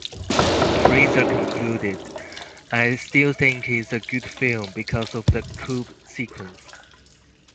Fraser concluded, I still think it's a good film, because of the coup sequence.